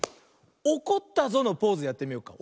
「おこったぞ」のポーズやってみようか。